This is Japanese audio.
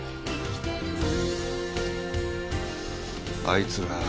あいつら。